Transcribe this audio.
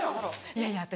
いやいや私